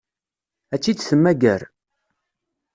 Ad tt-id-temmager?